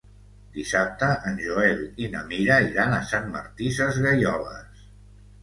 Dissabte en Joel i na Mira iran a Sant Martí Sesgueioles.